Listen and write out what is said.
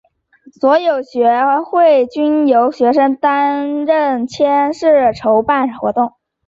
所有学会均由学生担任干事筹办活动。